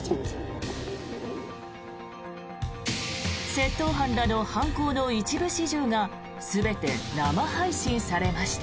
窃盗犯らの犯行の一部始終が全て生配信されました。